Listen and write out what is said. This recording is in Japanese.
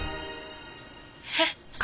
えっ？